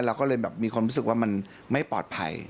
เราก็เลยแบบมีความรู้สึกว่ามันไม่ปลอดภัย